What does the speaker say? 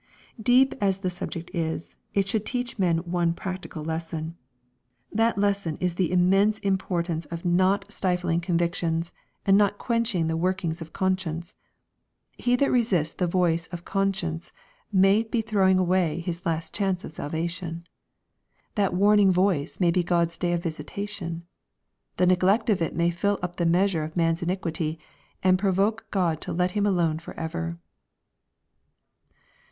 Deep as the subject is, it should teach men one practical lesson. That lesson is the immense importance of not LUKE, CHAP. XIX. 317 stifling convictions, and not quenching the workings of conscience. He that resists the voice of conscience may be. throwing away his last chance of salvation. That warning voice may be God's day of visitation." The neglect of it may fill up the measure of a man's iniquity, and provoke God to let him alone forever.